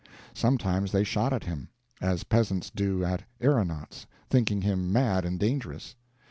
Sometimes they shot at him, as peasants do at aeronauts, thinking him mad and dangerous.